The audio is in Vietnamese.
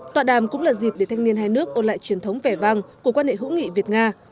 tọa đàm cũng là dịp để thanh niên hai nước ôn lại truyền thống vẻ vang của quan hệ hữu nghị việt nga